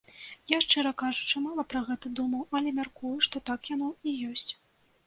Я, шчыра кажучы, мала пра гэта думаў, але мяркую, што так яно і ёсць.